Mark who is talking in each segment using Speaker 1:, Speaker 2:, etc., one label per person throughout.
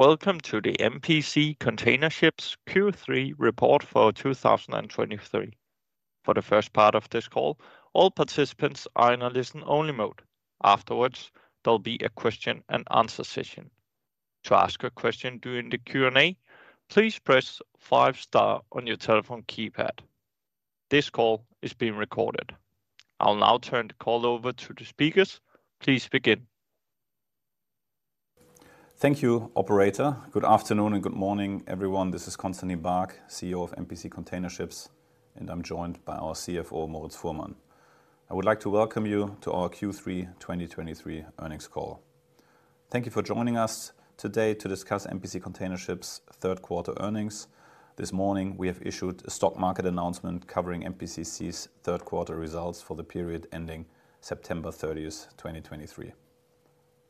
Speaker 1: Welcome to the MPC Container Ships Q3 report for 2023. For the first part of this call, all participants are in a listen-only mode. Afterwards, there'll be a Q&A session. To ask a question during the Q&A, please press five star on your telephone keypad. This call is being recorded. I'll now turn the call over to the speakers. Please begin.
Speaker 2: Thank you, operator. Good afternoon and good morning, everyone. This is Constantin Baack, CEO of MPC Container Ships, and I'm joined by our CFO, Moritz Fuhrmann. I would like to welcome you to our Q3 2023 earnings call. Thank you for joining us today to discuss MPC Container Ships' third quarter earnings. This morning, we have issued a stock market announcement covering MPCC's third quarter results for the period ending September 30, 2023.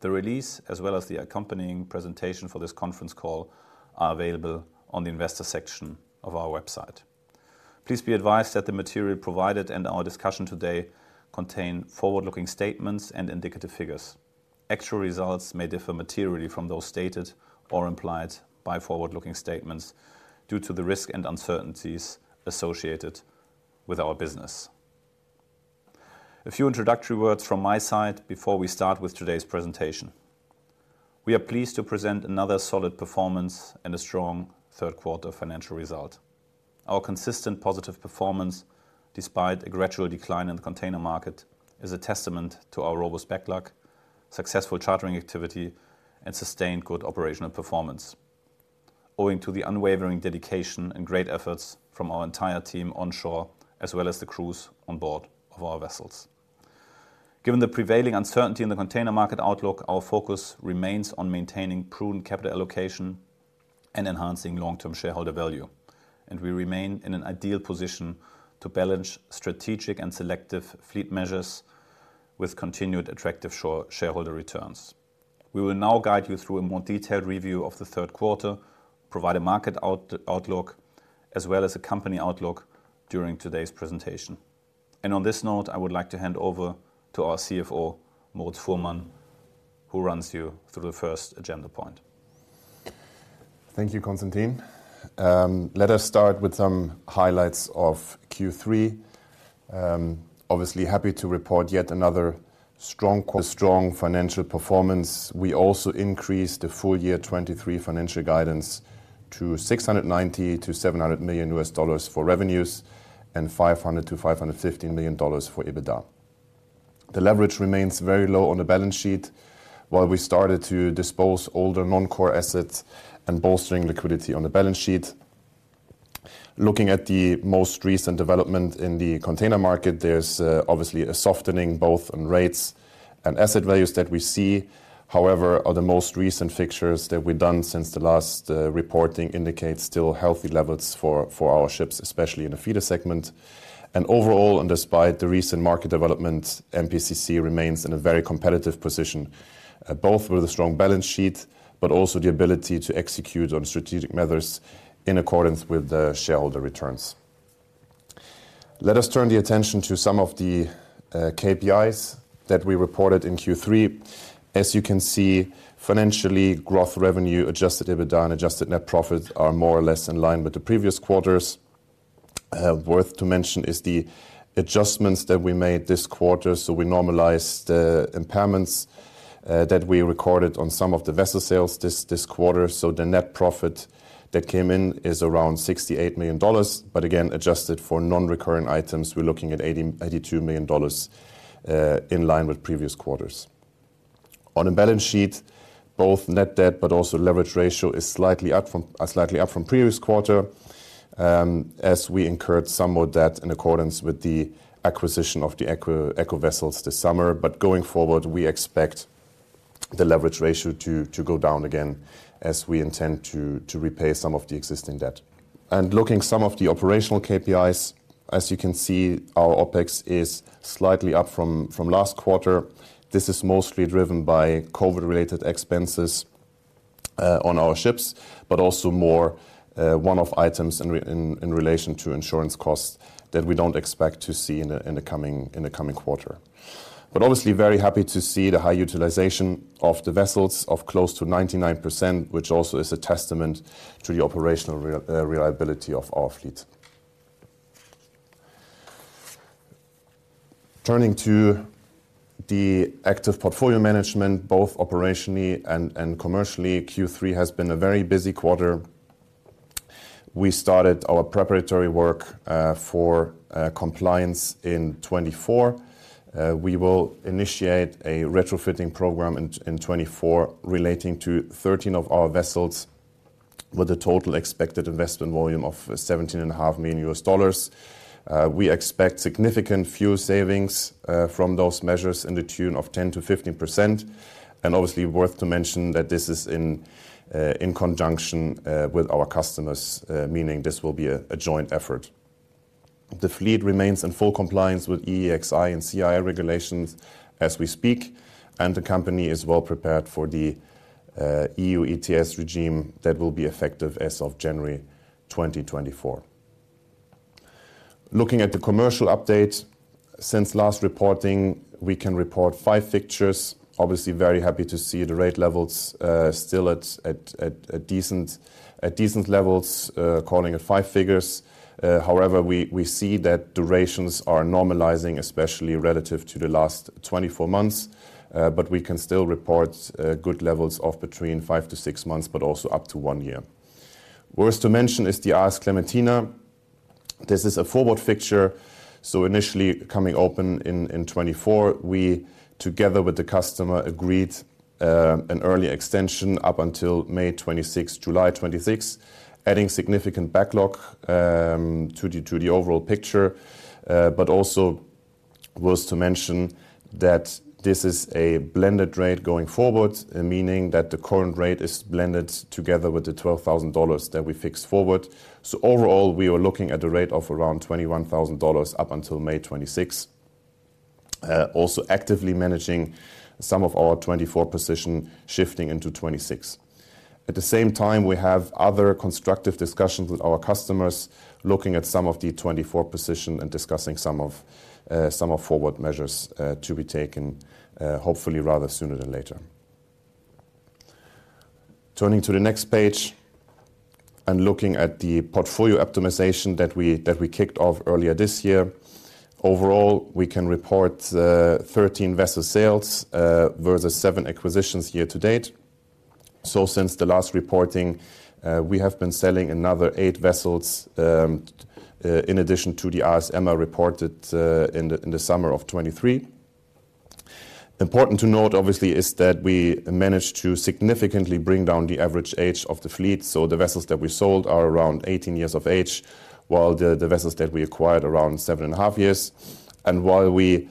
Speaker 2: The release, as the accompanying presentation for this conference call, are available on the investor section of our website. Please be advised that the material provided and our discussion today contain forward-looking statements and indicative figures. Actual results may differ materially from those stated or implied by forward-looking statements due to the risk and uncertainties associated with our business. A few introductory words from my side before we start with today's presentation. We are pleased to present another solid performance and a strong third quarter financial result. Our consistent positive performance, despite a gradual decline in the container market, is a testament to our robust backlog, successful chartering activity, and sustained good operational performance, owing to the unwavering dedication and great efforts from our entire team onshore, as the crews on board of our vessels. Given the prevailing uncertainty in the container market outlook, our focus remains on maintaining prudent capital allocation and enhancing long-term shareholder value, and we remain in an ideal position to balance strategic and selective fleet measures with continued attractive shareholder returns. We will now guide you through a more detailed review of the third quarter, provide a market outlook, as a company outlook during today's presentation. On this note, I would like to hand over to our CFO, Moritz Fuhrmann, who runs you through the first agenda point.
Speaker 3: Thank you, Constantin. Let us start with some highlights of Q3. Obviously happy to report yet another strong quarter, strong financial performance. We also increased the full-year 2023 financial guidance to $690 million-$700 million for revenues and $500 million-$550 million for EBITDA. The leverage remains very low on the balance sheet, while we started to dispose older non-core assets and bolstering liquidity on the balance sheet. Looking at the most recent development in the container market, there's obviously a softening both on rates and asset values that we see. However, our most recent fixtures that we've done since the last reporting indicate still healthy levels for our ships, especially in the feeder segment. Overall, and despite the recent market development, MPCC remains in a very competitive position, both with a strong balance sheet, but also the ability to execute on strategic measures in accordance with the shareholder returns. Let us turn the attention to some of the KPIs that we reported in Q3. As you can see, financially, growth revenue, adjusted EBITDA, and adjusted net profit are more or less in line with the previous quarters. Worth to mention is the adjustments that we made this quarter. So we normalized the impairments that we recorded on some of the vessel sales this quarter. So the net profit that came in is around $68 million, but again, adjusted for non-recurring items, we're looking at $82 million, in line with previous quarters. On the balance sheet, both net debt but also leverage ratio is slightly up from previous quarter, as we incurred some more debt in accordance with the acquisition of the Eco vessels this summer. But going forward, we expect the leverage ratio to go down again as we intend to repay some of the existing debt. Looking some of the operational KPIs, as you can see, our OpEx is slightly up from last quarter. This is mostly driven by COVID-related expenses on our ships, but also more one-off items in relation to insurance costs that we don't expect to see in the coming quarter. Obviously, very happy to see the high utilization of the vessels of close to 99%, which also is a testament to the operational reliability of our fleet. Turning to the active portfolio management, both operationally and commercially, Q3 has been a very busy quarter. We started our preparatory work for compliance in 2024. We will initiate a retrofitting program in 2024 relating to 13 of our vessels with a total expected investment volume of $17.5 million. We expect significant fuel savings from those measures in the tune of 10%-15%. Obviously, worth to mention that this is in conjunction with our customers, meaning this will be a joint effort. The fleet remains in full compliance with EEXI and CII regulations as we speak, and the company is well prepared for the EU ETS regime that will be effective as of January 2024. Looking at the commercial update, since last reporting, we can report 5 fixtures. Obviously, very happy to see the rate levels still at decent levels, calling it five figures. However, we see that durations are normalizing, especially relative to the last 24 months, but we can still report good levels of between 5-6 months, but also up to 1 year. Worth to mention is the AS Clementina. This is a forward fixture, so initially coming open in 2024. We, together with the customer, agreed an early extension up until May 26th, July 26th, adding significant backlog to the overall picture. But also worth to mention that this is a blended rate going forward, meaning that the current rate is blended together with the $12,000 that we fixed forward. So overall, we are looking at a rate of around $21,000 up until May 26th. Also actively managing some of our 2024 position, shifting into 2026. At the same time, we have other constructive discussions with our customers, looking at some of the 2024 position and discussing some forward measures to be taken, hopefully rather sooner than later. Turning to the next page and looking at the portfolio optimization that we kicked off earlier this year. Overall, we can report 13 vessel sales versus 7 acquisitions year to date. So since the last reporting, we have been selling another 8 vessels in addition to the RS Emma reported in the summer of 2023. Important to note, obviously, is that we managed to significantly bring down the average age of the fleet, so the vessels that we sold are around 18 years of age, while the vessels that we acquired around 7.5 years. And while we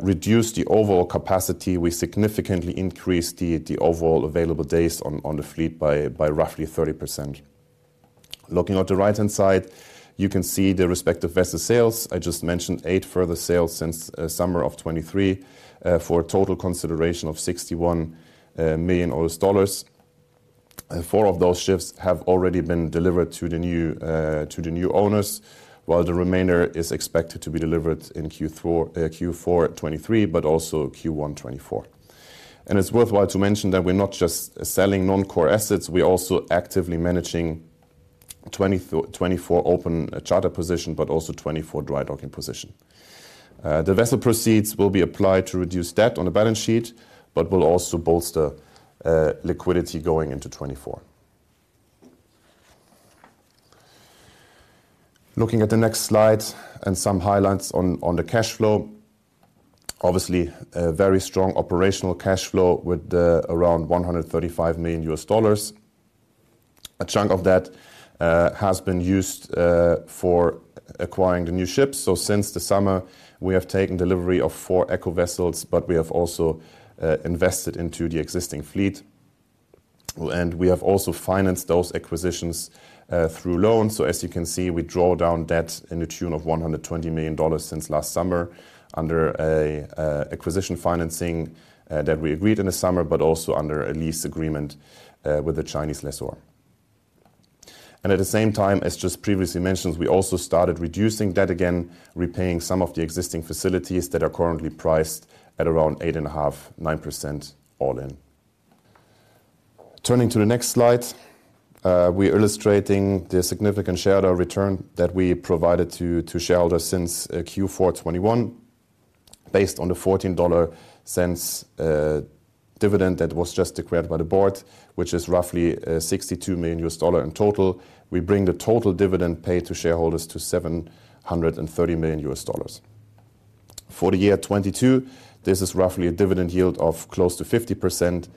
Speaker 3: reduced the overall capacity, we significantly increased the overall available days on the fleet by roughly 30%. Looking at the right-hand side, you can see the respective vessel sales. I just mentioned 8 further sales since summer of 2023 for a total consideration of $61 million. Four of those ships have already been delivered to the new, to the new owners, while the remainder is expected to be delivered in Q4, Q4 2023, but also Q1 2024. It's worthwhile to mention that we're not just selling non-core assets, we're also actively managing 24th open charter position, but also 24 dry docking position. The vessel proceeds will be applied to reduce debt on the balance sheet, but will also bolster, liquidity going into 2024. Looking at the next slide and some highlights on, on the cash flow. Obviously, a very strong operational cash flow with, around $135 million. A chunk of that, has been used, for acquiring the new ships. So since the summer, we have taken delivery of 4 Eco vessels, but we have also invested into the existing fleet, and we have also financed those acquisitions through loans. So as you can see, we draw down debt in the tune of $120 million since last summer under a acquisition financing that we agreed in the summer, but also under a lease agreement with the Chinese lessor. And at the same time, as just previously mentioned, we also started reducing debt again, repaying some of the existing facilities that are currently priced at around 8.5%-9% all in. Turning to the next slide, we are illustrating the significant shareholder return that we provided to shareholders since Q4 2021, based on the $0.14 dividend that was just declared by the board, which is roughly $62 million in total. We bring the total dividend paid to shareholders to $730 million. For the year 2022, this is roughly a dividend yield of close to 50%,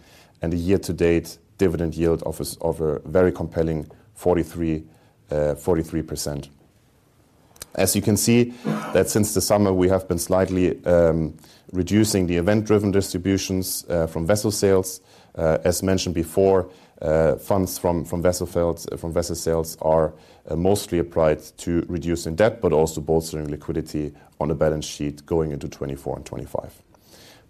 Speaker 3: and the year-to-date dividend yield of a very compelling 43%. As you can see, since the summer, we have been slightly reducing the event-driven distributions from vessel sales. As mentioned before, funds from vessel sales are mostly applied to reducing debt, but also bolstering liquidity on the balance sheet going into 2024 and 2025.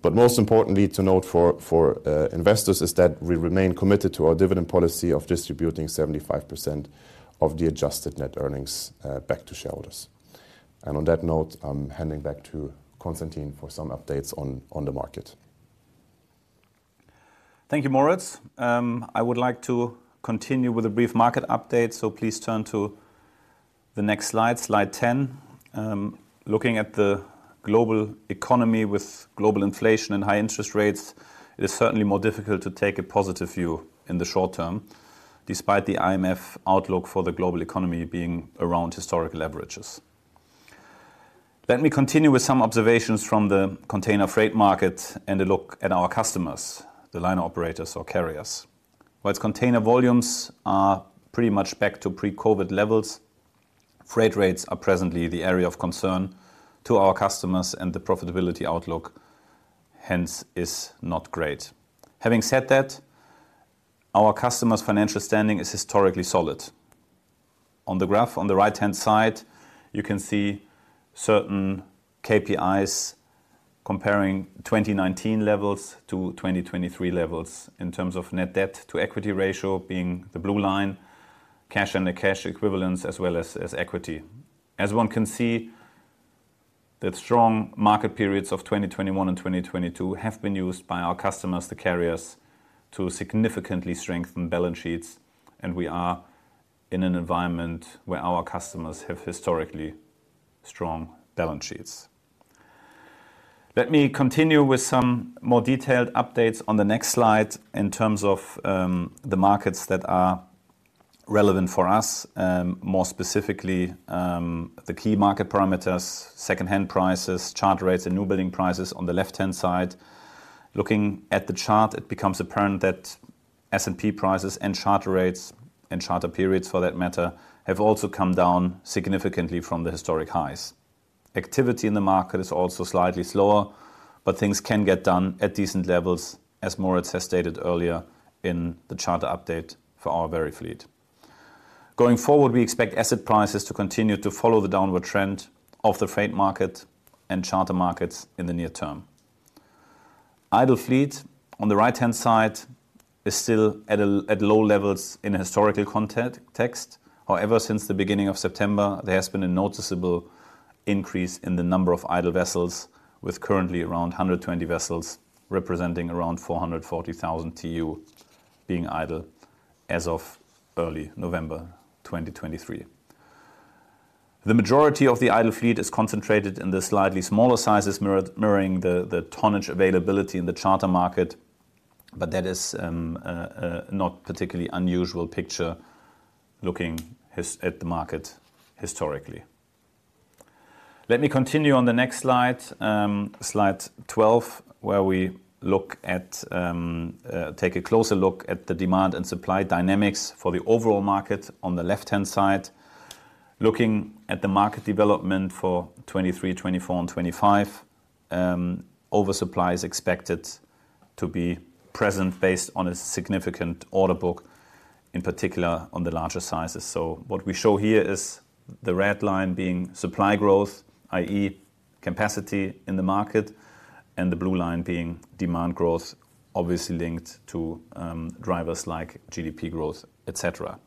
Speaker 3: But most importantly, to note for investors is that we remain committed to our dividend policy of distributing 75% of the adjusted net earnings back to shareholders. And on that note, I'm handing back to Constantin for some updates on the market.
Speaker 2: Thank you, Moritz. I would like to continue with a brief market update, so please turn to the next slide, slide 10. Looking at the global economy with global inflation and high interest rates, it is certainly more difficult to take a positive view in the short term, despite the IMF outlook for the global economy being around historic leverages. Let me continue with some observations from the container freight market and a look at our customers, the liner operators or carriers. While container volumes are pretty much back to pre-COVID levels, freight rates are presently the area of concern to our customers, and the profitability outlook, hence, is not great. Having said that, our customers' financial standing is historically solid. On the graph on the right-hand side, you can see certain KPIs. Comparing 2019 levels to 2023 levels in terms of net debt to equity ratio being the blue line, cash and the cash equivalents, as equity. As one can see, the strong market periods of 2021 and 2022 have been used by our customers, the carriers, to significantly strengthen balance sheets, and we are in an environment where our customers have historically strong balance sheets. Let me continue with some more detailed updates on the next slide in terms of the markets that are relevant for us, more specifically, the key market parameters, second-hand prices, charter rates, and new building prices on the left-hand side. Looking at the chart, it becomes apparent that S&P prices and charter rates, and charter periods for that matter, have also come down significantly from the historic highs. Activity in the market is also slightly slower, but things can get done at decent levels, as Moritz has stated earlier in the charter update for our very fleet. Going forward, we expect asset prices to continue to follow the downward trend of the freight market and charter markets in the near term. Idle fleet, on the right-hand side, is still at low levels in a historical context. However, since the beginning of September, there has been a noticeable increase in the number of idle vessels, with currently around 120 vessels, representing around 440,000 TEU being idle as of early November 2023. The majority of the idle fleet is concentrated in the slightly smaller sizes, mirroring the, the tonnage availability in the charter market, but that is not particularly unusual picture looking at the market historically. Let me continue on the next slide, slide 12, where we take a closer look at the demand and supply dynamics for the overall market on the left-hand side. Looking at the market development for 2023, 2024 and 2025, oversupply is expected to be present based on a significant order book, in particular on the larger sizes. So what we show here is the red line being supply growth, i.e., capacity in the market, and the blue line being demand growth, obviously linked to drivers like GDP growth, et cetera.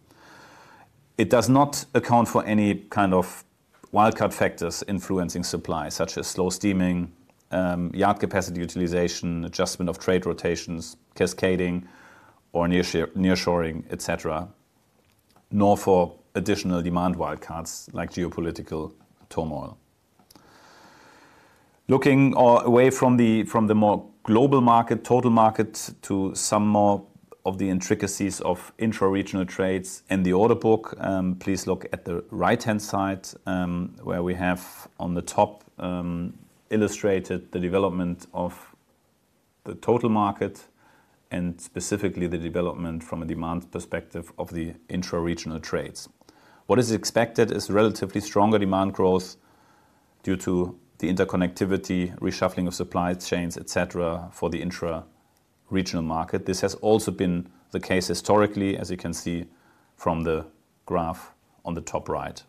Speaker 2: It does not account for any wildcard factors influencing supply, such as slow steaming, yard capacity utilization, adjustment of trade rotations, cascading or nearshoring, et cetera, nor for additional demand wildcards like geopolitical turmoil. Looking away from the more global market, total market, to some more of the intricacies of intra-regional trades and the order book, please look at the right-hand side, where we have on the top illustrated the development of the total market and specifically the development from a demand perspective of the intra-regional trades. What is expected is relatively stronger demand growth due to the interconnectivity, reshuffling of supply chains, et cetera, for the intra-regional market. This has also been the case historically, as you can see from the graph on the top right.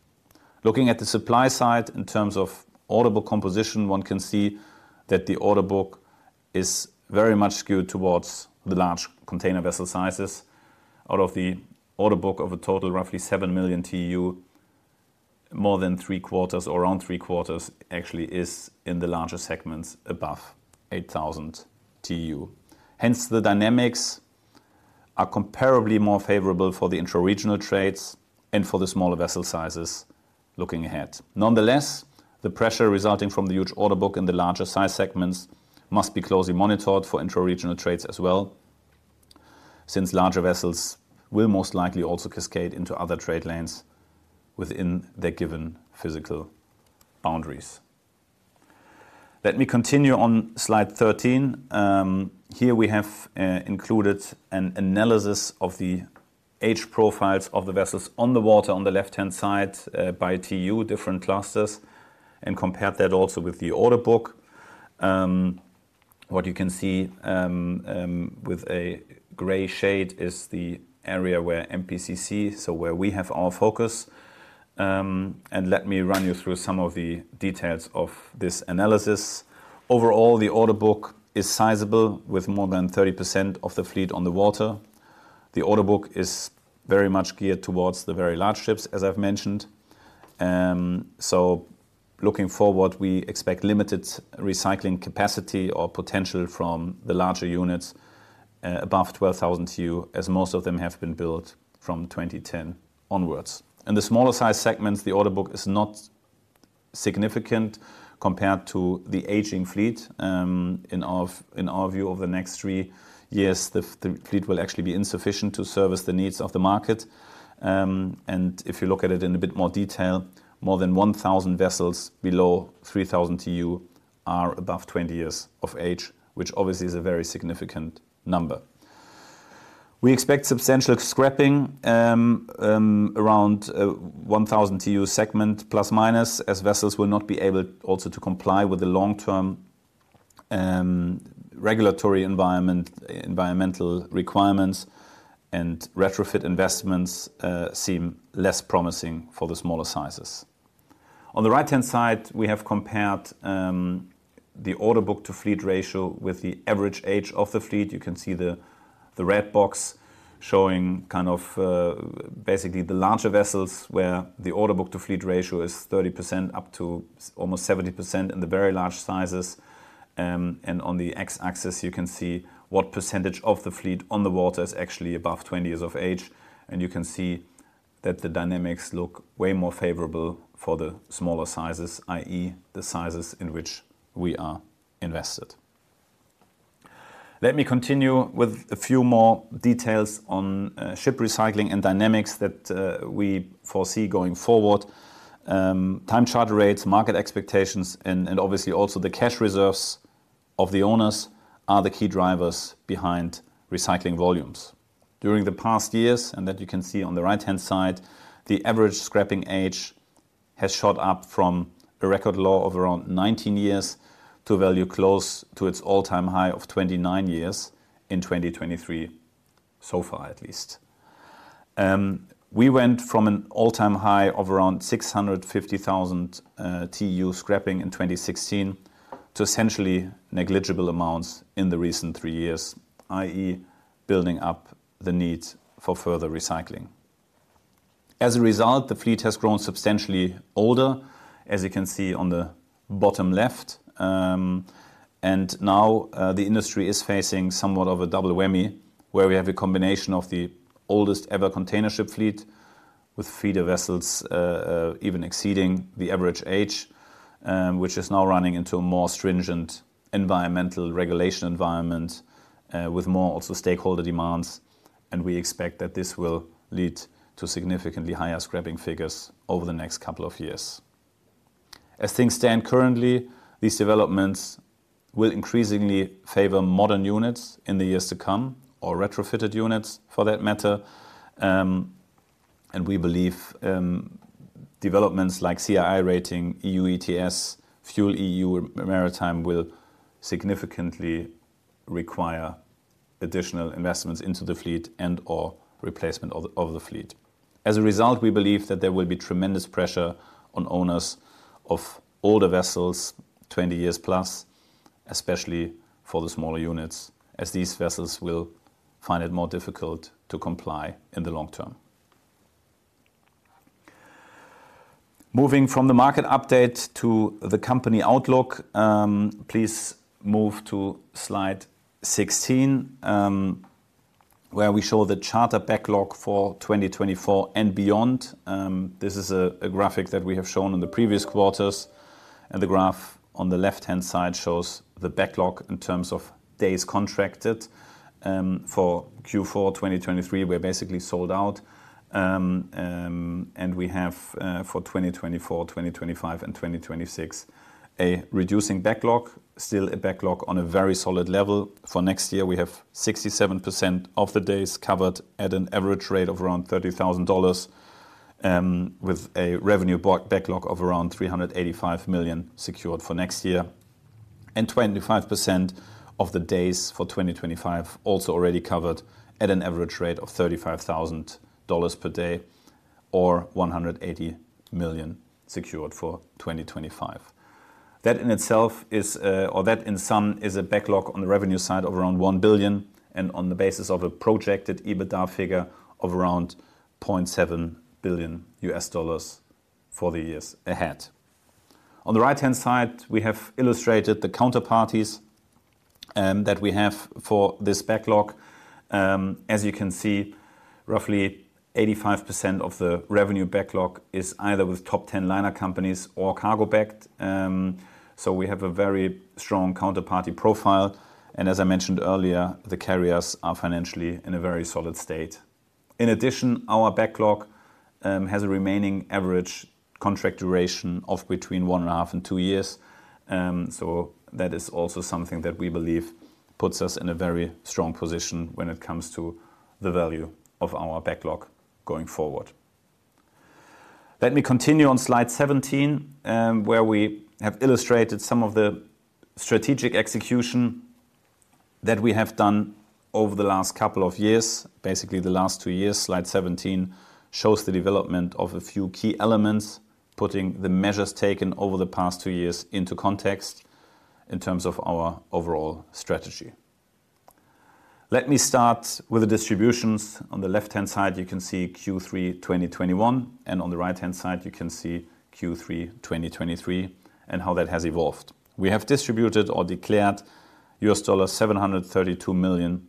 Speaker 2: Looking at the supply side in terms of order book composition, one can see that the order book is very much skewed towards the large container vessel sizes. Out of the order book of a total roughly 7 million TEU, more than three quarters, or around three quarters, actually is in the larger segments above 8,000 TEU. Hence, the dynamics are comparably more favorable for the intra-regional trades and for the smaller vessel sizes looking ahead. Nonetheless, the pressure resulting from the huge order book in the larger size segments must be closely monitored for intra-regional trades, since larger vessels will most likely also cascade into other trade lanes within their given physical boundaries. Let me continue on slide 13. Here we have included an analysis of the age profiles of the vessels on the water on the left-hand side, by TEU, different clusters, and compared that also with the order book. What you can see, with a gray shade is the area where MPCC, so where we have our focus. And let me run you through some of the details of this analysis. Overall, the order book is sizable, with more than 30% of the fleet on the water. The order book is very much geared towards the very large ships, as I've mentioned. So looking forward, we expect limited recycling capacity or potential from the larger units, above 12,000 TEU, as most of them have been built from 2010 onwards. In the smaller size segments, the order book is not significant compared to the aging fleet. In our view, over the next 3 years, the fleet will actually be insufficient to service the needs of the market. And if you look at it in a bit more detail, more than 1,000 vessels below 3,000 TEU are above 20 years of age, which obviously is a very significant number. We expect substantial scrapping around 1,000 TEU segment, plus minus, as vessels will not be able also to comply with the long-term regulatory environment, environmental requirements, and retrofit investments seem less promising for the smaller sizes. On the right-hand side, we have compared the order book to fleet ratio with the average age of the fleet. You can see the red box showing basically the larger vessels, where the order book to fleet ratio is 30%, up to almost 70% in the very large sizes. And on the x-axis, you can see what percentage of the fleet on the water is actually above 20 years of age. And you can see that the dynamics look way more favorable for the smaller sizes, i.e., the sizes in which we are invested. Let me continue with a few more details on ship recycling and dynamics that we foresee going forward. Time charter rates, market expectations, and obviously also the cash reserves of the owners are the key drivers behind recycling volumes. During the past years, and that you can see on the right-hand side, the average scrapping age has shot up from a record low of around 19 years to a value close to its all-time high of 29 years in 2023, so far, at least. We went from an all-time high of around 650,000 TEU scrapping in 2016 to essentially negligible amounts in the recent three years, i.e., building up the need for further recycling. As a result, the fleet has grown substantially older, as you can see on the bottom left. Now, the industry is facing somewhat of a double whammy, where we have a combination of the oldest ever container ship fleet, with feeder vessels even exceeding the average age, which is now running into a more stringent environmental regulation environment, with more also stakeholder demands. We expect that this will lead to significantly higher scrapping figures over the next couple of years. As things stand currently, these developments will increasingly favor modern units in the years to come, or retrofitted units, for that matter. We believe developments like CII rating, EU ETS, Fuel EU Maritime will significantly require additional investments into the fleet and/or replacement of the fleet. As a result, we believe that there will be tremendous pressure on owners of older vessels, 20+ years, especially for the smaller units, as these vessels will find it more difficult to comply in the long term. Moving from the market update to the company outlook, please move to slide 16, where we show the charter backlog for 2024 and beyond. This is a graphic that we have shown in the previous quarters, and the graph on the left-hand side shows the backlog in terms of days contracted. For Q4 2023, we're basically sold out. And we have for 2024, 2025, and 2026, a reducing backlog, still a backlog on a very solid level. For next year, we have 67% of the days covered at an average rate of around $30,000, with a revenue backlog of around $385 million secured for next year, and 25% of the days for 2025 also already covered at an average rate of $35,000 per day or $180 million secured for 2025. That in itself is, or that in sum, is a backlog on the revenue side of around $1 billion, and on the basis of a projected EBITDA figure of around $0.7 billion US dollars for the years ahead. On the right-hand side, we have illustrated the counterparties that we have for this backlog. As you can see, roughly 85% of the revenue backlog is either with top ten liner companies or cargo-backed. So we have a very strong counterparty profile, and as I mentioned earlier, the carriers are financially in a very solid state. In addition, our backlog has a remaining average contract duration of between 1.5 and 2 years. So that is also something that we believe puts us in a very strong position when it comes to the value of our backlog going forward. Let me continue on slide 17, where we have illustrated some of the strategic execution that we have done over the last couple of years. Basically, the last 2 years. Slide 17 shows the development of a few key elements, putting the measures taken over the past 2 years into context in terms of our overall strategy. Let me start with the distributions. On the left-hand side, you can see Q3 2021, and on the right-hand side, you can see Q3 2023 and how that has evolved. We have distributed or declared $732 million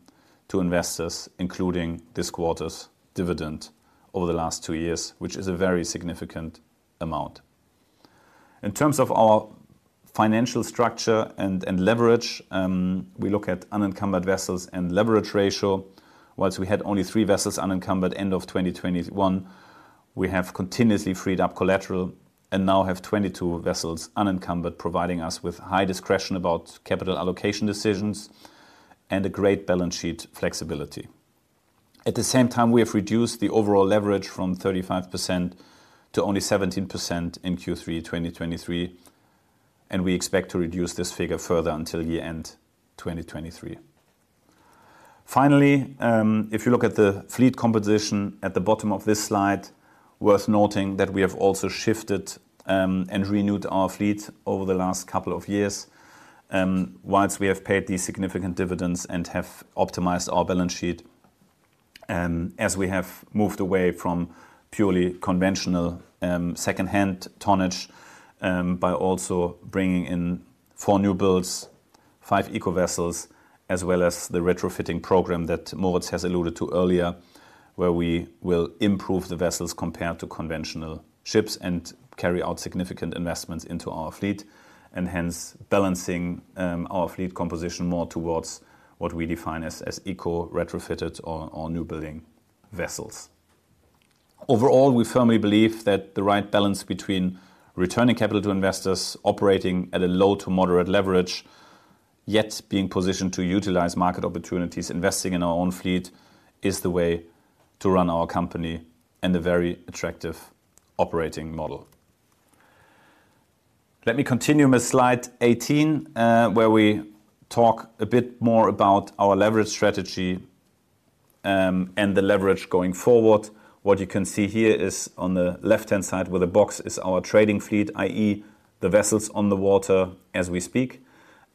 Speaker 2: to investors, including this quarter's dividend over the last two years, which is a very significant amount. In terms of our financial structure and leverage, we look at unencumbered vessels and leverage ratio. While we had only three vessels unencumbered end of 2021, we have continuously freed up collateral and now have 22 vessels unencumbered, providing us with high discretion about capital allocation decisions and a great balance sheet flexibility. At the same time, we have reduced the overall leverage from 35% to only 17% in Q3 2023, and we expect to reduce this figure further until year-end 2023. Finally, if you look at the fleet composition at the bottom of this slide, worth noting that we have also shifted and renewed our fleet over the last couple of years. While we have paid these significant dividends and have optimized our balance sheet, as we have moved away from purely conventional second-hand tonnage by also bringing in four new builds, five eco vessels, as the retrofitting program that Moritz has alluded to earlier, where we will improve the vessels compared to conventional ships and carry out significant investments into our fleet. Hence, balancing our fleet composition more towards what we define as eco retrofitted or new building vessels. Overall, we firmly believe that the right balance between returning capital to investors, operating at a low to moderate leverage, yet being positioned to utilize market opportunities, investing in our own fleet, is the way to run our company and a very attractive operating model. Let me continue with slide 18, where we talk a bit more about our leverage strategy, and the leverage going forward. What you can see here is on the left-hand side, where the box is our trading fleet, i.e., the vessels on the water as we speak.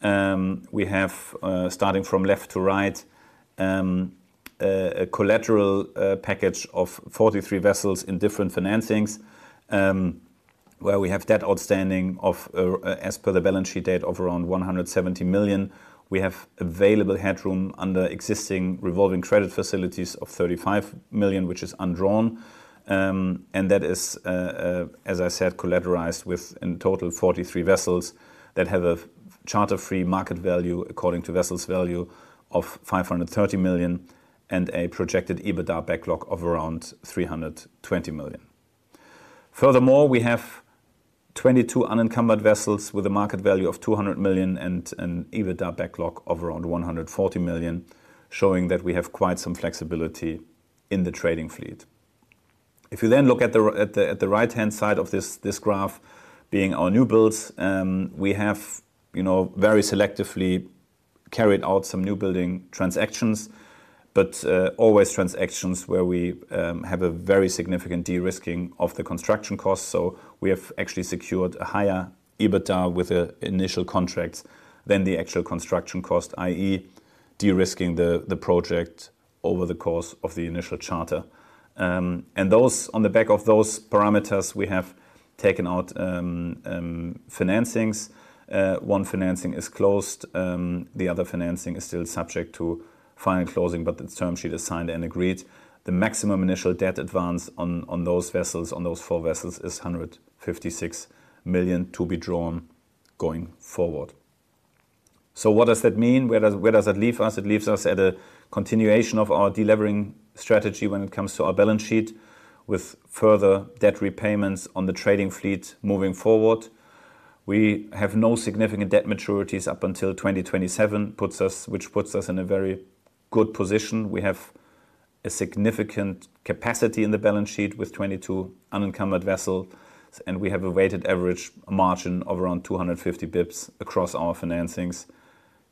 Speaker 2: We have, starting from left to right, a collateral package of 43 vessels in different financings, where we have debt outstanding of, as per the balance sheet date, of around $170 million. We have available headroom under existing revolving credit facilities of $35 million, which is undrawn. And that is, as I said, collateralized with, in total, 43 vessels that have a charter-free market value according to VesselsValue of $530 million, and a projected EBITDA backlog of around $320 million. Furthermore, we have 22 unencumbered vessels with a market value of $200 million and an EBITDA backlog of around $140 million, showing that we have quite some flexibility in the trading fleet. If you then look at the right-hand side of this graph being our new builds, we have, you know, very selectively carried out some new building transactions, but always transactions where we have a very significant de-risking of the construction costs. So we have actually secured a higher EBITDA with the initial contracts than the actual construction cost, i.e., de-risking the project over the course of the initial charter. And on the back of those parameters, we have taken out financings. One financing is closed, the other financing is still subject to final closing, but the term sheet is signed and agreed. The maximum initial debt advance on those vessels, on those four vessels, is $156 million to be drawn going forward. So what does that mean? Where does that leave us? It leaves us at a continuation of our de-levering strategy when it comes to our balance sheet, with further debt repayments on the trading fleet moving forward. We have no significant debt maturities up until 2027, which puts us in a very good position. We have a significant capacity in the balance sheet with 22 unencumbered vessels, and we have a weighted average margin of around 250 bps across our financings,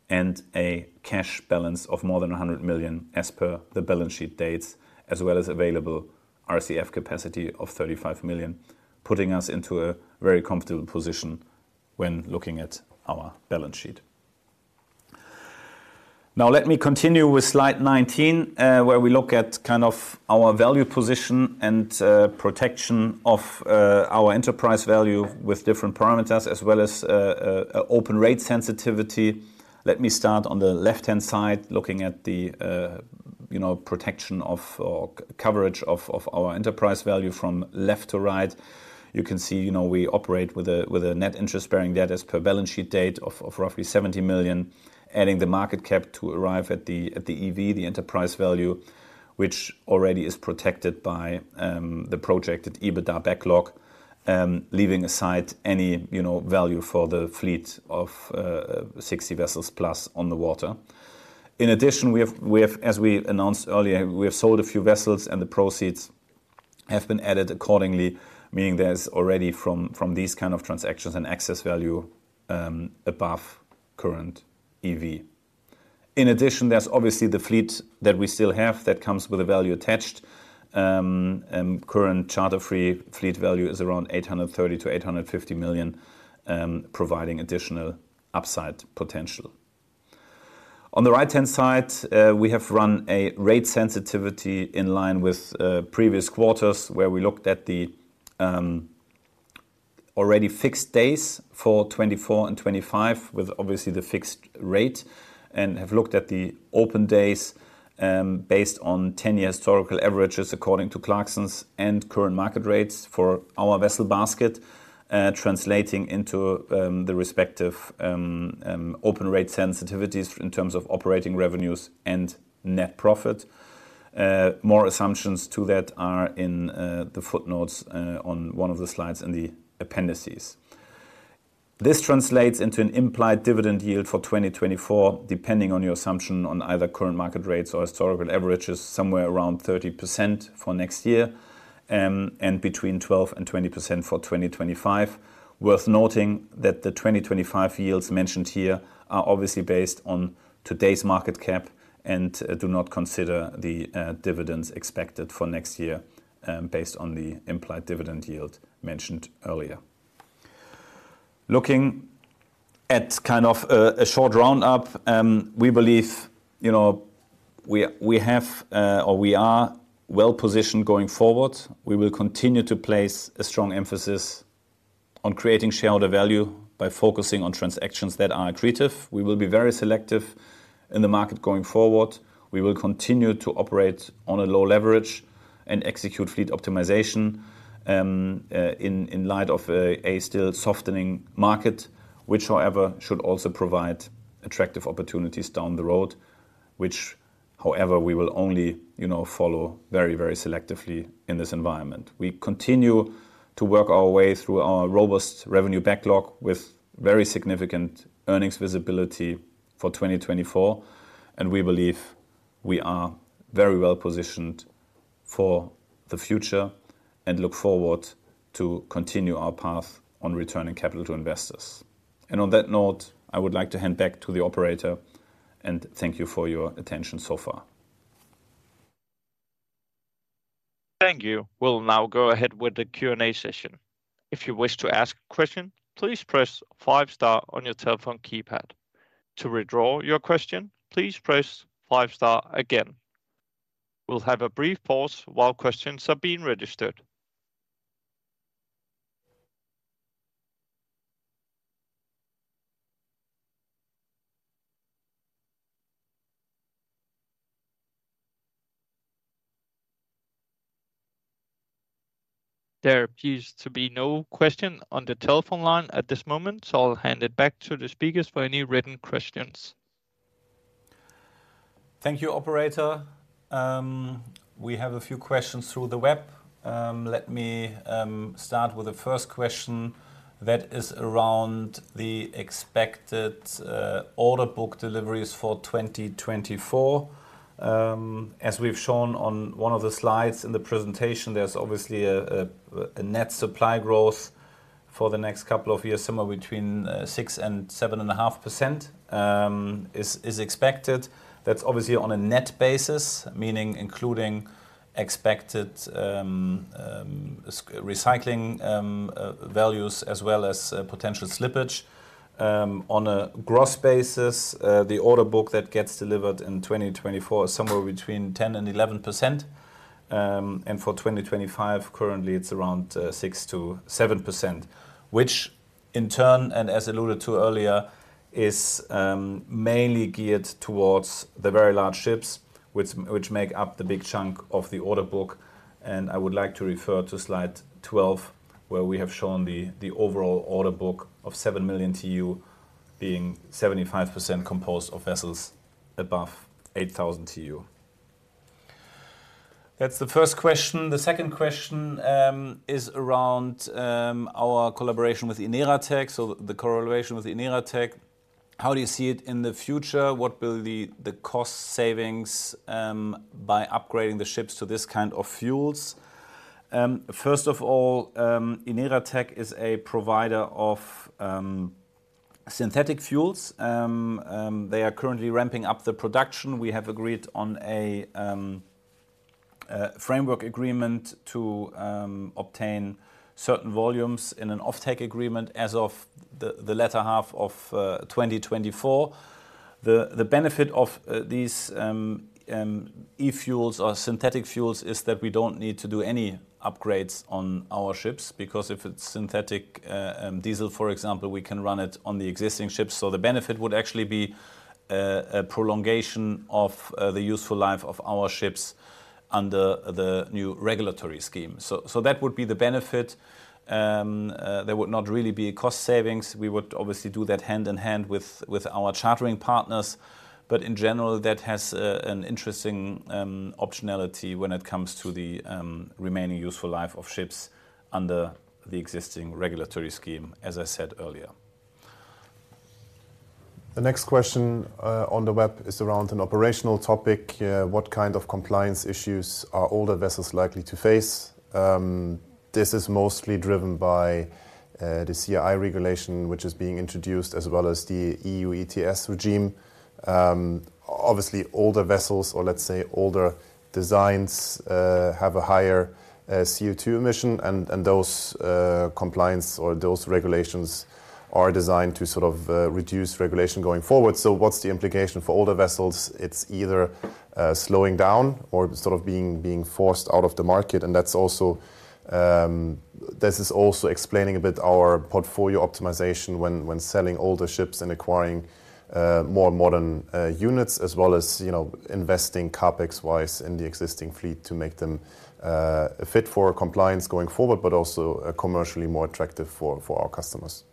Speaker 2: and a cash balance of more than $100 million, as per the balance sheet dates, as available RCF capacity of $35 million, putting us into a very comfortable position when looking at our balance sheet. Now, let me continue with slide 19, where we look at, our value position and, protection of, our enterprise value with different parameters, as open rate sensitivity. Let me start on the left-hand side, looking at the, you know, protection of, or coverage of, of our enterprise value from left to right. You can see, you know, we operate with a net interest-bearing debt as per balance sheet date of roughly $70 million, adding the market cap to arrive at the EV, the enterprise value, which already is protected by the projected EBITDA backlog, leaving aside any, you know, value for the fleet of 60 vessels plus on the water. In addition, as we announced earlier, we have sold a few vessels, and the proceeds have been added accordingly, meaning there's already, from these transactions, an excess value above current EV. In addition, there's obviously the fleet that we still have that comes with a value attached. Current charter free fleet value is around $830 million-$850 million, providing additional upside potential. On the right-hand side, we have run a rate sensitivity in line with previous quarters, where we looked at the already fixed days for 2024 and 2025, with obviously the fixed rate, and have looked at the open days, based on 10-year historical averages, according to Clarksons and current market rates for our vessel basket, translating into the respective open rate sensitivities in terms of operating revenues and net profit. More assumptions to that are in the footnotes on one of the slides in the appendices. This translates into an implied dividend yield for 2024, depending on your assumption on either current market rates or historical averages, somewhere around 30% for next year, and between 12% and 20% for 2025. Worth noting, that the 2025 yields mentioned here are obviously based on today's market cap and do not consider the dividends expected for next year, based on the implied dividend yield mentioned earlier. Looking at a short round-up, we believe, you know, we have or we are well-positioned going forward. We will continue to place a strong emphasis on creating shareholder value by focusing on transactions that are accretive. We will be very selective in the market going forward. We will continue to operate on a low leverage and execute fleet optimization in light of a still softening market, which, however, should also provide attractive opportunities down the road. Which, however, we will only, you know, follow very, very selectively in this environment. We continue to work our way through our robust revenue backlog, with very significant earnings visibility for 2024, and we believe we are very well positioned for the future, and look forward to continue our path on returning capital to investors. On that note, I would like to hand back to the operator, and thank you for your attention so far.
Speaker 1: Thank you. We'll now go ahead with the Q&A session. If you wish to ask a question, please press five star on your telephone keypad. To withdraw your question, please press five star again. We'll have a brief pause while questions are being registered. There appears to be no question on the telephone line at this moment, so I'll hand it back to the speakers for any written questions.
Speaker 2: Thank you, operator. We have a few questions through the web. Let me start with the first question, that is around the expected order book deliveries for 2024. As we've shown on one of the slides in the presentation, there's obviously a net supply growth for the next couple of years, somewhere between 6% and 7.5%, is expected. That's obviously on a net basis, meaning including expected scrap recycling values as potential slippage. On a gross basis, the order book that gets delivered in 2024 is somewhere between 10% and 11%. And for 2025, currently, it's around 6%-7%, which in turn, and as alluded to earlier, is mainly geared towards the very large ships, which make up the big chunk of the order book. And I would like to refer to slide 12, where we have shown the overall order book of 7 million TEU, being 75% composed of vessels above 8,000 TEU. That's the first question. The second question is around our collaboration with INERATEC. So the correlation with INERATEC, how do you see it in the future? What will the cost savings by upgrading the ships to this fuels? First of all, INERATEC is a provider of synthetic fuels. They are currently ramping up the production. We have agreed on a framework agreement to obtain certain volumes in an offtake agreement as of the latter half of 2024. The benefit of these e-fuels or synthetic fuels is that we don't need to do any upgrades on our ships, because if it's synthetic diesel, for example, we can run it on the existing ships. So the benefit would actually be a prolongation of the useful life of our ships under the new regulatory scheme. So that would be the benefit. There would not really be cost savings. We would obviously do that hand in hand with our chartering partners. But in general, that has an interesting optionality when it comes to the remaining useful life of ships under the existing regulatory scheme, as I said earlier.
Speaker 3: The next question on the web is around an operational topic: What compliance issues are older vessels likely to face? This is mostly driven by the CII regulation, which is being introduced, as the EU ETS regime. Obviously, older vessels, or let's say older designs, have a higher CO2 emission, and those compliance or those regulations are designed to reduce regulation going forward. So what's the implication for older vessels? It's either slowing down or being forced out of the market, and that's also. This is also explaining a bit our portfolio optimization when selling older ships and acquiring more modern units, as you know, investing CapEx-wise in the existing fleet to make them fit for compliance going forward, but also commercially more attractive for our customers.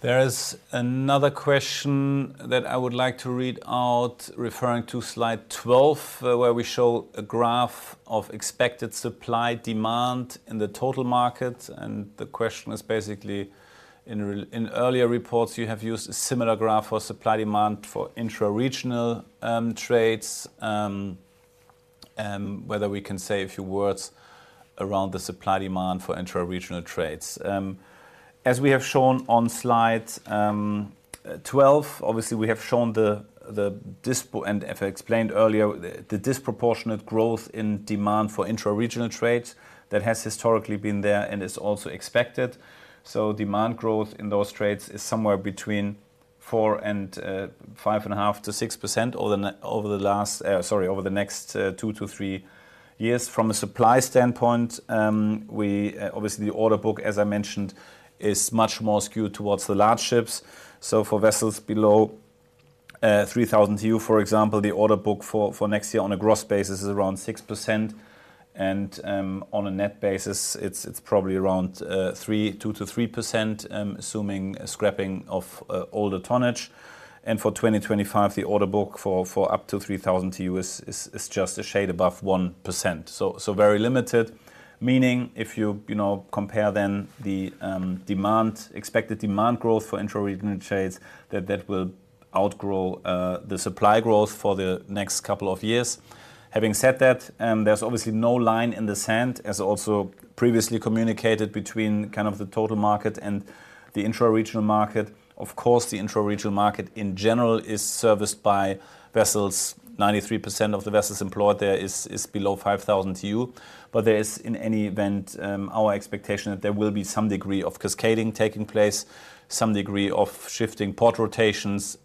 Speaker 2: There is another question that I would like to read out, referring to slide 12, where we show a graph of expected supply, demand in the total market. And the question is basically, "In earlier reports, you have used a similar graph for supply, demand for intra-regional trades, and whether we can say a few words around the supply, demand for intra-regional trades." As we have shown on slide 12, obviously, we have shown the disproportionate growth in demand for intra-regional trades that has historically been there and is also expected. So demand growth in those trades is somewhere between 4 and 5.5%-6% over the next 2-3 years. From a supply standpoint, we obviously the order book, as I mentioned, is much more skewed towards the large ships. So for vessels below 3,000 TEU, for example, the order book for next year on a gross basis is around 6%, and on a net basis, it's probably around 2%-3%, assuming scrapping of older tonnage. And for 2025, the order book for up to 3,000 TEU is just a shade above 1%. So very limited, meaning if you, you know, compare then the demand, expected demand growth for intra-regional trades, that will outgrow the supply growth for the next couple of years. Having said that, there's obviously no line in the sand, as also previously communicated between the total market and the intra-regional market. Of course, the intra-regional market, in general, is serviced by vessels. 93% of the vessels employed there is below 5,000 TEU. But there is, in any event, our expectation that there will be some degree of cascading taking place, some degree of shifting port rotations.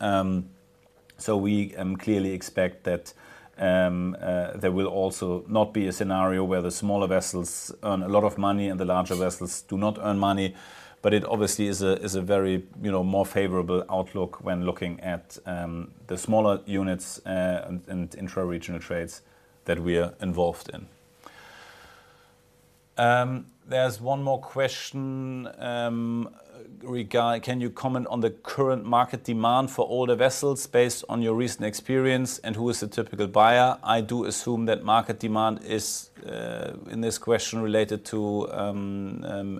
Speaker 2: So we clearly expect that there will also not be a scenario where the smaller vessels earn a lot of money and the larger vessels do not earn money. But it obviously is a very, you know, more favorable outlook when looking at the smaller units and intra-regional trades that we are involved in. There's one more question regarding: "Can you comment on the current market demand for older vessels based on your recent experience, and who is the typical buyer? I do assume that market demand is, in this question, related to,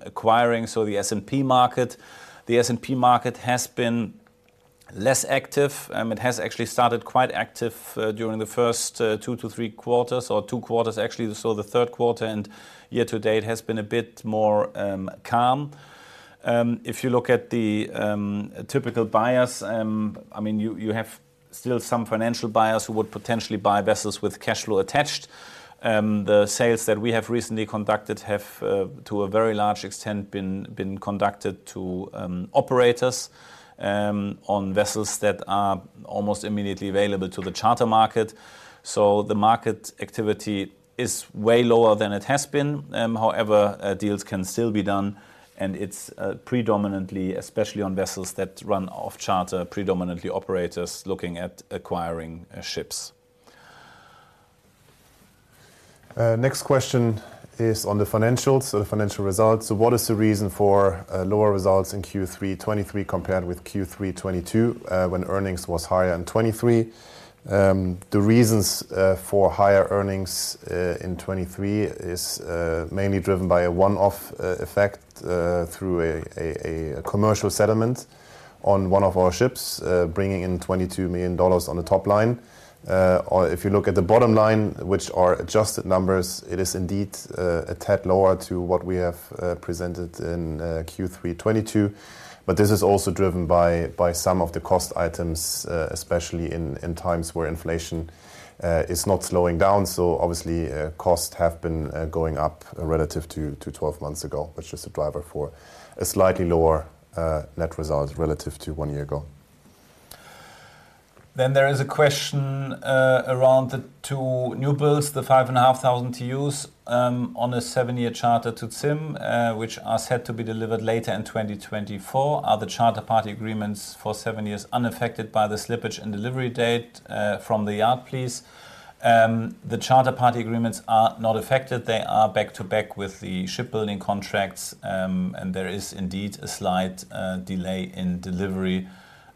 Speaker 2: acquiring, so the S&P market." The S&P market has been less active. It has actually started quite active, during the first two to three quarters, or two quarters, actually. So the third quarter and year to date has been a bit more calm. If you look at the typical buyers, I mean, you have still some financial buyers who would potentially buy vessels with cash flow attached. The sales that we have recently conducted have, to a very large extent, been conducted to operators on vessels that are almost immediately available to the charter market. So the market activity is way lower than it has been. However, deals can still be done, and it's predominantly, especially on vessels that run off charter, predominantly operators looking at acquiring ships.
Speaker 3: Next question is on the financials, so the financial results: "So what is the reason for lower results in Q3 2023, compared with Q3 2022, when earnings was higher in 2023?" The reasons for higher earnings in 2023 is mainly driven by a one-off effect through a commercial settlement on one of our ships, bringing in $22 million on the top line. Or if you look at the bottom line, which are adjusted numbers, it is indeed a tad lower to what we have presented in Q3 2022. But this is also driven by some of the cost items, especially in times where inflation is not slowing down. So obviously, costs have been going up relative to 12 months ago, which is a driver for a slightly lower net result relative to one year ago.
Speaker 2: Then there is a question around the 2 new builds, the 5,500 TEUs, on a 7-year charter to ZIM, which are set to be delivered later in 2024. "Are the charter party agreements for 7 years unaffected by the slippage and delivery date from the yard, please?" The charter party agreements are not affected. They are back-to-back with the shipbuilding contracts, and there is indeed a slight delay in delivery,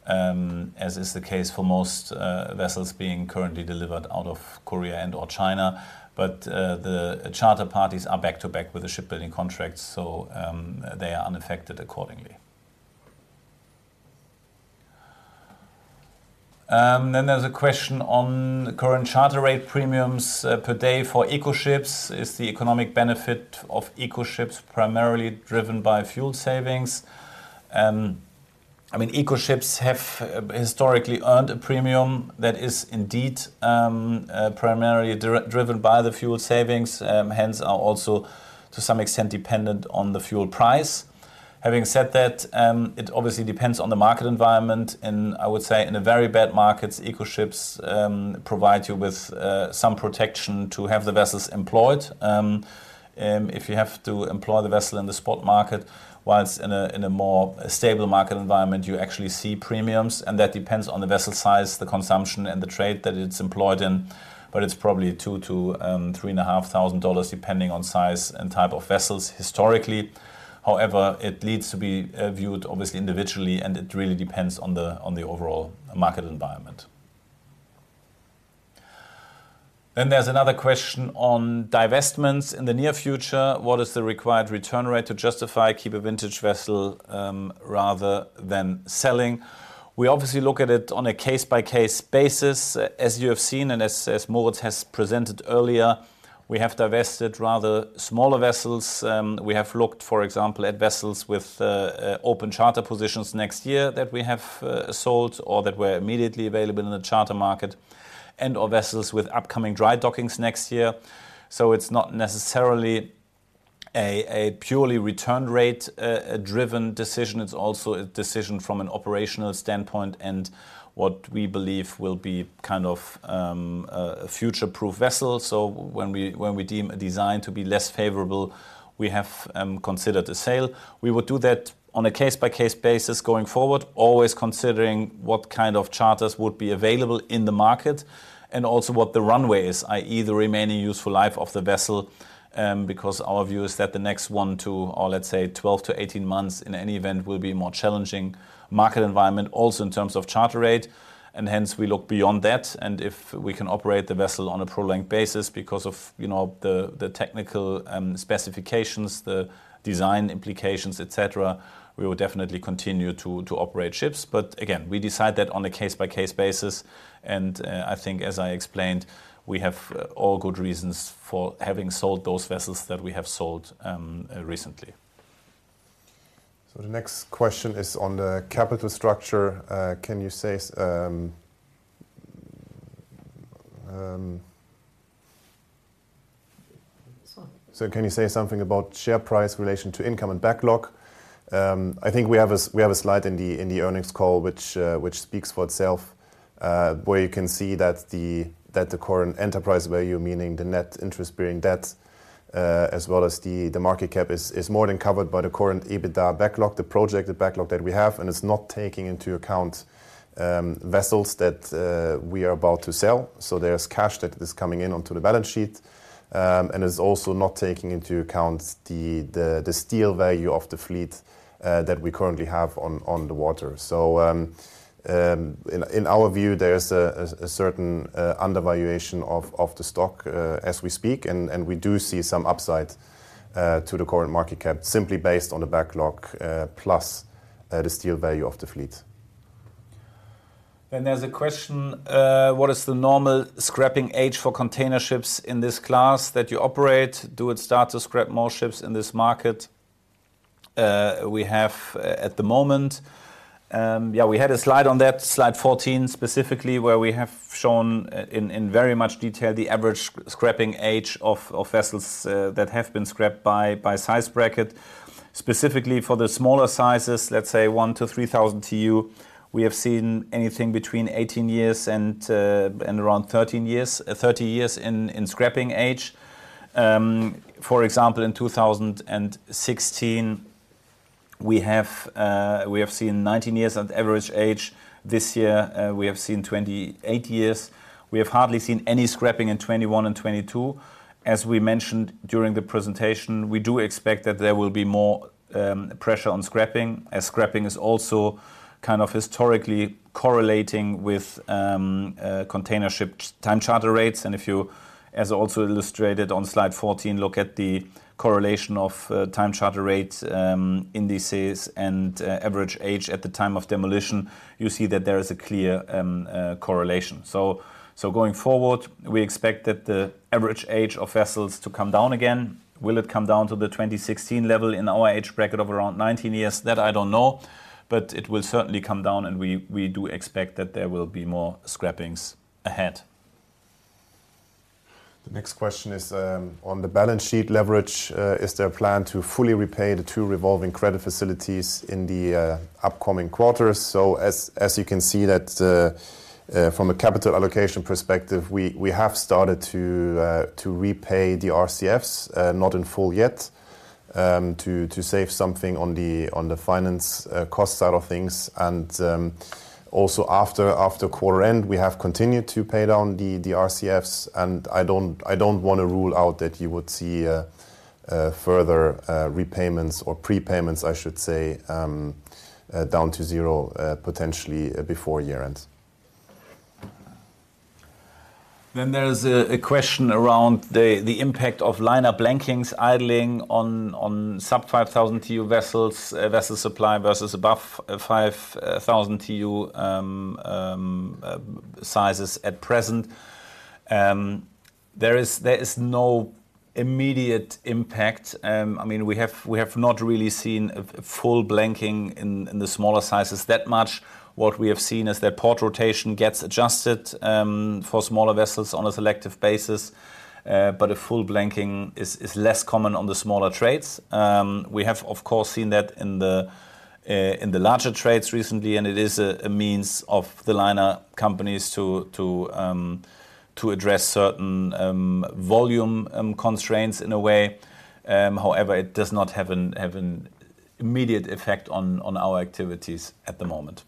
Speaker 2: as is the case for most vessels being currently delivered out of Korea and/or China. But the charter parties are back-to-back with the shipbuilding contracts, so they are unaffected accordingly. Then there's a question on the current charter rate premiums, per day for Eco ships: "Is the economic benefit of Eco ships primarily driven by fuel savings?" I mean, Eco ships have historically earned a premium that is indeed primarily driven by the fuel savings, hence, are also, to some extent, dependent on the fuel price. Having said that, it obviously depends on the market environment, and I would say in a very bad markets, Eco ships provide you with some protection to have the vessels employed. If you have to employ the vessel in the spot market, whilst in a more stable market environment, you actually see premiums, and that depends on the vessel size, the consumption, and the trade that it's employed in. But it's probably $2,000-$3,500, depending on size and type of vessels historically. However, it needs to be viewed obviously individually, and it really depends on the overall market environment. Then there's another question on divestments: "In the near future, what is the required return rate to justify keep a vintage vessel, rather than selling?" We obviously look at it on a case-by-case basis. As you have seen, and as Moritz has presented earlier, we have divested rather smaller vessels. We have looked, for example, at vessels with open charter positions next year that we have sold or that were immediately available in the charter market, and/or vessels with upcoming dry dockings next year. So it's not necessarily a purely return rate driven decision, it's also a decision from an operational standpoint and what we believe will bea future-proof vessel. So when we deem a design to be less favorable, we have considered a sale. We would do that on a case-by-case basis going forward, always considering what charters would be available in the market, and also what the runway is, i.e., the remaining useful life of the vessel. Because our view is that the next 1 to, or let's say, 12-18 months, in any event, will be more challenging market environment, also in terms of charter rate. Hence, we look beyond that, and if we can operate the vessel on a prolong basis because of, you know, the technical specifications, the design implications, et cetera, we will definitely continue to operate ships. But again, we decide that on a case-by-case basis, and I think, as I explained, we have all good reasons for having sold those vessels that we have sold recently.
Speaker 3: So the next question is on the capital structure. So can you say something about share price in relation to income and backlog? I think we have a slide in the earnings call, which speaks for itself, where you can see that the current enterprise value, meaning the net interest-bearing debt, as the market cap, is more than covered by the current EBITDA backlog, the projected backlog that we have, and it's not taking into account vessels that we are about to sell. So there's cash that is coming in onto the balance sheet. And it's also not taking into account the steel value of the fleet that we currently have on the water. So, in our view, there is a certain undervaluation of the stock, as we speak, and we do see some upside to the current market cap, simply based on the backlog, plus the steel value of the fleet.
Speaker 2: Then there's a question: "What is the normal scrapping age for container ships in this class that you operate? Do it start to scrap more ships in this market, we have at the moment?" We had a slide on that, slide 14 specifically, where we have shown in very much detail the average scrapping age of vessels that have been scrapped by size bracket. Specifically for the smaller sizes, let's say 1 to 3,000 TEU, we have seen anything between 18 years and around 13 years. 30 years in scrapping age. For example, in 2016, we have seen 19 years of average age. This year, we have seen 28 years. We have hardly seen any scrapping in 2021 and 2022. As we mentioned during the presentation, we do expect that there will be more pressure on scrapping, as scrapping is also historically correlating with container ship time charter rates. And if you, as also illustrated on slide 14, look at the correlation of time charter rate indices and average age at the time of demolition, you see that there is a clear correlation. So going forward, we expect that the average age of vessels to come down again. Will it come down to the 2016 level in our age bracket of around 19 years? That I don't know, but it will certainly come down, and we do expect that there will be more scrappings ahead.
Speaker 3: The next question is, on the balance sheet leverage: "Is there a plan to fully repay the two revolving credit facilities in the upcoming quarters?" So as you can see that from a capital allocation perspective, we have started to repay the RCFs, not in full yet, to save something on the finance cost side of things. And also after quarter end, we have continued to pay down the RCFs, and I don't wanna rule out that you would see a further repayments or prepayments, I should say, down to zero, potentially before year end.
Speaker 2: Then there's a question around the impact of liner blankings idling on sub-5,000 TEU vessels, vessel supply versus above 5,000 TEU sizes at present. There is no immediate impact. I mean, we have not really seen a full blanking in the smaller sizes that much. What we have seen is that port rotation gets adjusted for smaller vessels on a selective basis, but a full blanking is less common on the smaller trades. We have, of course, seen that in the larger trades recently, and it is a means of the liner companies to address certain volume constraints in a way. However, it does not have an immediate effect on our activities at the moment.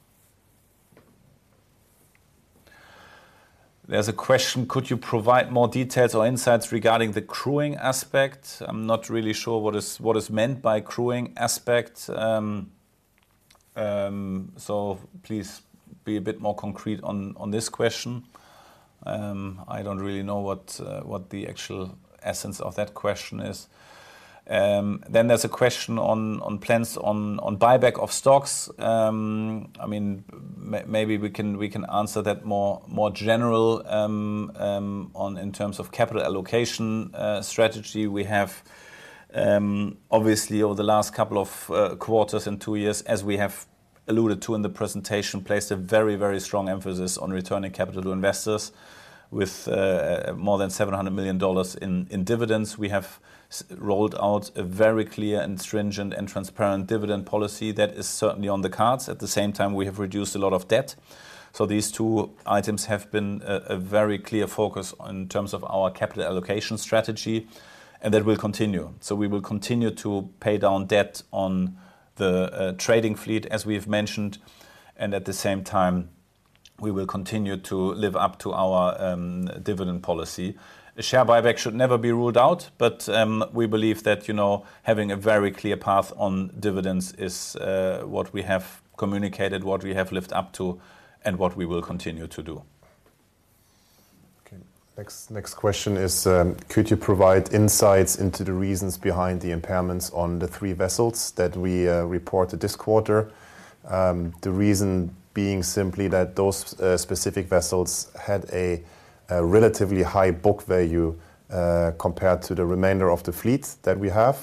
Speaker 2: There's a question: "Could you provide more details or insights regarding the crewing aspect?" I'm not really sure what is meant by crewing aspect. So please be a bit more concrete on this question. I don't really know what the actual essence of that question is. Then there's a question on plans on buyback of stocks. I mean, maybe we can answer that more general on in terms of capital allocation strategy. We have obviously over the last couple of quarters and two years, as we have alluded to in the presentation, placed a very, very strong emphasis on returning capital to investors with more than $700 million in dividends. We have rolled out a very clear and stringent and transparent dividend policy that is certainly on the cards. At the same time, we have reduced a lot of debt. So these two items have been a very clear focus in terms of our capital allocation strategy, and that will continue. So we will continue to pay down debt on the trading fleet, as we've mentioned, and at the same time, we will continue to live up to our dividend policy. A share buyback should never be ruled out, but we believe that, you know, having a very clear path on dividends is what we have communicated, what we have lived up to, and what we will continue to do.
Speaker 3: Okay. Next, next question is: "Could you provide insights into the reasons behind the impairments on the three vessels that we reported this quarter?" The reason being simply that those specific vessels had a relatively high book value compared to the remainder of the fleet that we have.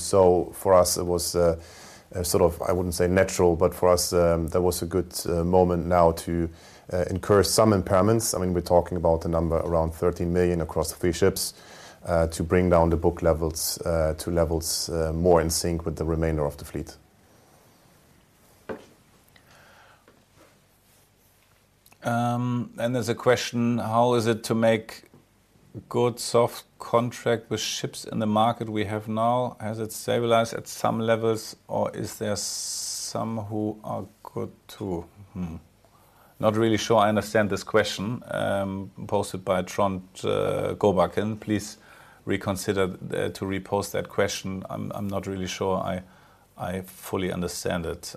Speaker 3: So for us, it was a, I wouldn't say natural, but for us, that was a good moment now to incur some impairments. I mean, we're talking about a number around $13 million across the three ships to bring down the book levels to levels more in sync with the remainder of the fleet.
Speaker 2: And there's a question: "How is it to make good soft contract with ships in the market we have now? Has it stabilized at some levels, or is there some who are good, too?" Not really sure I understand this question, posted by Trond Gobacken. Please reconsider to repost that question. I'm not really sure I fully understand it.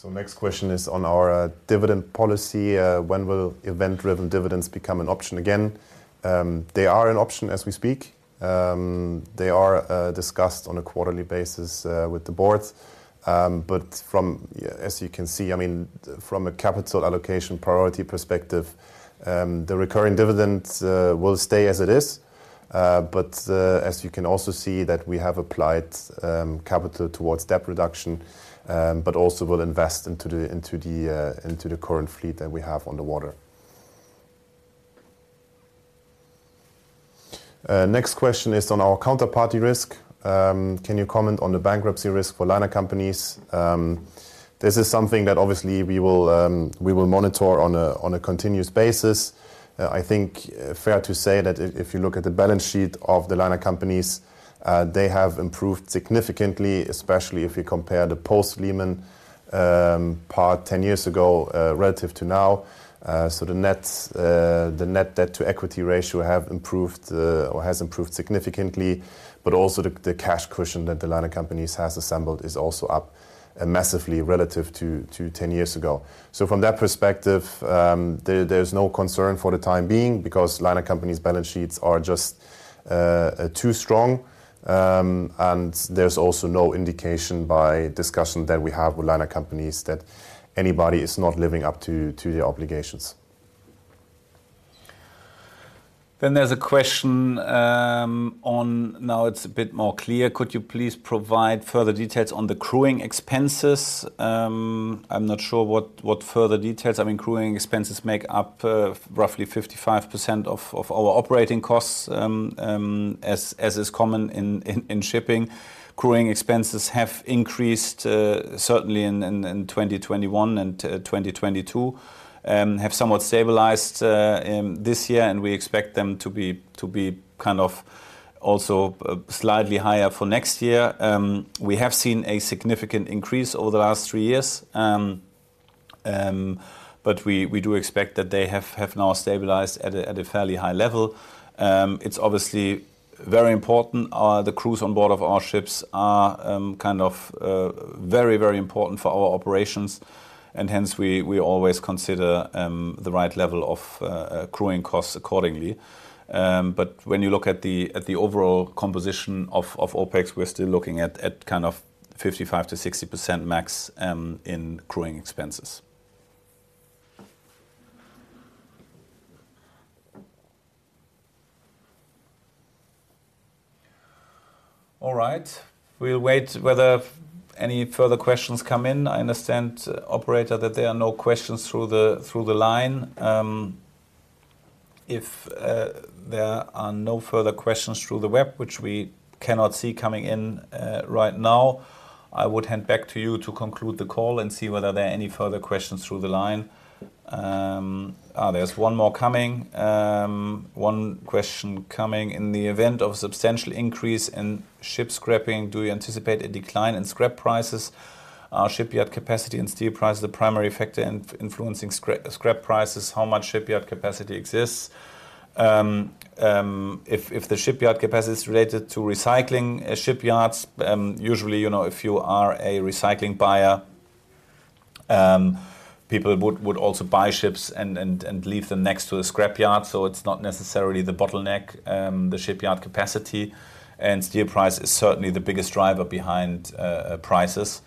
Speaker 3: So next question is on our dividend policy. "When will event-driven dividends become an option again?" They are an option as we speak. They are discussed on a quarterly basis with the board. But as you can see, I mean, from a capital allocation priority perspective, the recurring dividends will stay as it is. But as you can also see that we have applied capital towards debt reduction, but also will invest into the current fleet that we have on the water. Next question is on our counterparty risk. "Can you comment on the bankruptcy risk for liner companies?" This is something that obviously we will monitor on a continuous basis. I think fair to say that if you look at the balance sheet of the liner companies, they have improved significantly, especially if you compare the post-Lehman part 10 years ago relative to now. So the net debt to equity ratio have improved or has improved significantly, but also the cash cushion that the liner companies has assembled is also up massively relative to 10 years ago. So from that perspective, there's no concern for the time being because liner companies' balance sheets are just too strong. And there's also no indication by discussion that we have with liner companies that anybody is not living up to their obligations.
Speaker 2: Then there's a question on. Now it's a bit more clear: "Could you please provide further details on the crewing expenses?" I'm not sure what further details. I mean, crewing expenses make up roughly 55% of our operating costs, as is common in shipping. Crewing expenses have increased certainly in 2021 and 2022, have somewhat stabilized in this year, and we expect them to be also slightly higher for next year. We have seen a significant increase over the last three years, but we do expect that they have now stabilized at a fairly high level. It's obviously very important. The crews on board of our ships are, very, very important for our operations, and hence, we, we always consider, the right level of, crewing costs accordingly. But when you look at the, at the overall composition of, of OpEx, we're still looking at, at 55%-60% max, in crewing expenses. All right. We'll wait whether any further questions come in. I understand, operator, that there are no questions through the, through the line. If, there are no further questions through the web, which we cannot see coming in, right now, I would hand back to you to conclude the call and see whether there are any further questions through the line. There's one more coming. One question coming: "In the event of a substantial increase in ship scrapping, do you anticipate a decline in scrap prices? Shipyard capacity and steel price is the primary factor influencing scrap prices. How much shipyard capacity exists?" If the shipyard capacity is related to recycling, shipyards usually, you know, if you are a recycling buyer, people would also buy ships and leave them next to a scrapyard. So it's not necessarily the bottleneck, the shipyard capacity, and steel price is certainly the biggest driver behind prices.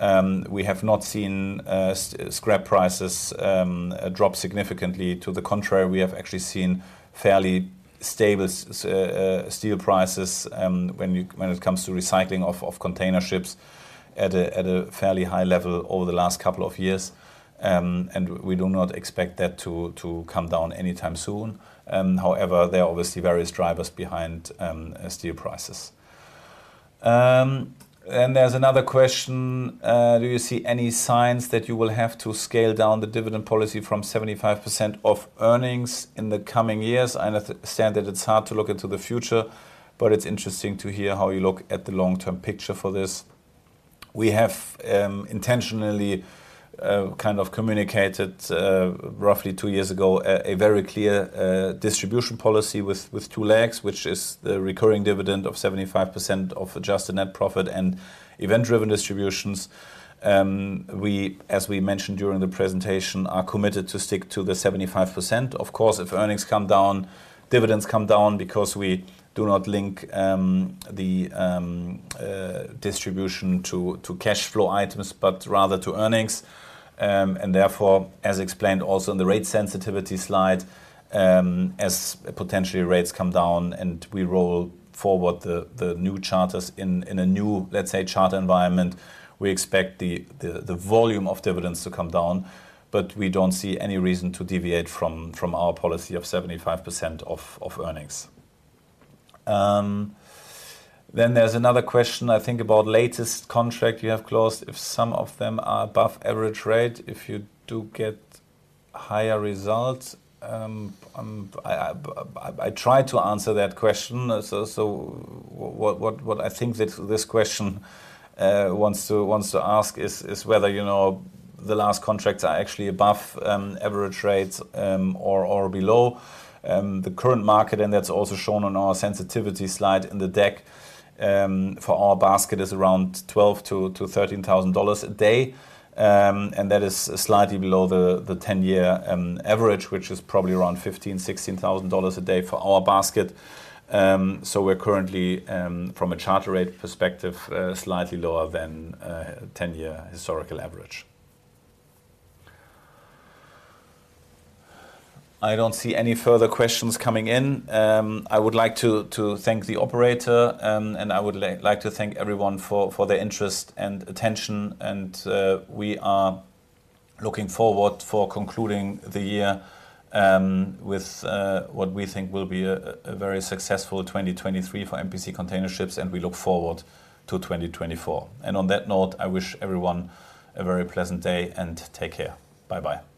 Speaker 2: We have not seen scrap prices drop significantly. To the contrary, we have actually seen fairly stable steel prices when it comes to recycling of container ships at a fairly high level over the last couple of years. We do not expect that to come down anytime soon. However, there are obviously various drivers behind steel prices. There's another question: "Do you see any signs that you will have to scale down the dividend policy from 75% of earnings in the coming years? I understand that it's hard to look into the future, but it's interesting to hear how you look at the long-term picture for this. We have intentionally communicated roughly two years ago a very clear distribution policy with two legs, which is the recurring dividend of 75% of adjusted net profit and event-driven distributions. We, as we mentioned during the presentation, are committed to stick to the 75%. Of course, if earnings come down, dividends come down because we do not link the distribution to cash flow items, but rather to earnings. Therefore, as explained also in the rate sensitivity slide, as potentially rates come down and we roll forward the new charters in a new, let's say, charter environment, we expect the volume of dividends to come down, but we don't see any reason to deviate from our policy of 75% of earnings. Then there's another question, I think, about latest contract you have closed, if some of them are above average rate, if you do get higher results. I tried to answer that question. So what I think that this question wants to ask is whether, you know, the last contracts are actually above average rates or below the current market, and that's also shown on our sensitivity slide in the deck. For our basket is around $12,000-$13,000 a day, and that is slightly below the ten-year average, which is probably around $15,000-$16,000 a day for our basket. So we're currently from a charter rate perspective slightly lower than ten-year historical average. I don't see any further questions coming in. I would like to thank the operator, and I would like to thank everyone for their interest and attention, and we are looking forward for concluding the year with what we think will be a very successful 2023 for MPC Container Ships, and we look forward to 2024. And on that note, I wish everyone a very pleasant day, and take care. Bye-bye.